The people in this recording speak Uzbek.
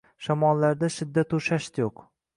Shamollarda shiddatu shasht yo‘q —